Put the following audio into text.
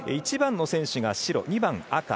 １番の選手が白２番、赤。